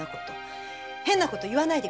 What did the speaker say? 変なこと言わないでください